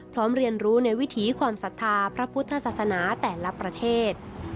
เรียนรู้ในวิถีความศรัทธาพระพุทธศาสนาแต่ละประเทศ